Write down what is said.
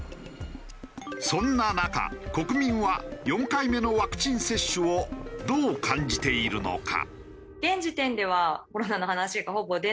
そんな中国民は４回目のワクチン接種をどう感じているのか？